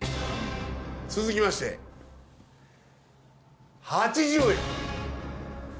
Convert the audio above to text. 続きまして８０円。